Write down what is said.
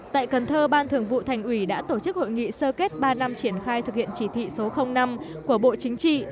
tại cần thơ ban thường vụ thành ủy đã tổ chức hội nghị sơ kết ba năm triển khai thực hiện chỉ thị số năm của bộ chính trị